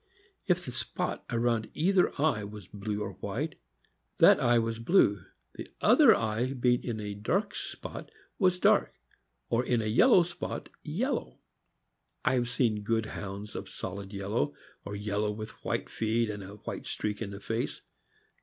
If the spot around either eye was blue or white, that eye was blue; the other eye being in a dark spot, was dark, or in a yellow spot, yellow. I have seen good Hounds of a solid yellow, or yellow with white feet and a white streak in the face.